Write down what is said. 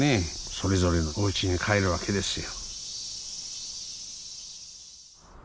それぞれのおうちに帰るわけですよ。